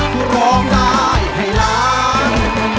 คือร้องได้ให้ล้าน